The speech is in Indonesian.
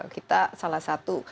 kita salah satu